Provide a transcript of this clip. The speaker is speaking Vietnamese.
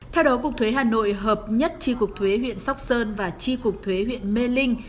theo đó cục thuế hà nội hợp nhất tri cục thuế huyện sóc sơn và tri cục thuế huyện mê linh